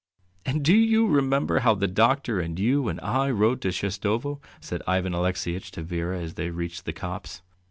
"And do you remember how the doctor and you and I rode to Shestovo?" said Ivan Alexeyitch to Vera as they reached the copse.